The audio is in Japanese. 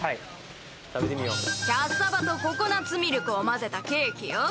食べてみよキャッサバとココナッツミルクを混ぜたケーキよ